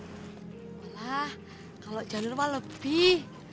walah kalau janur mah lebih